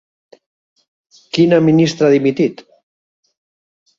Quina ministra ha dimitit?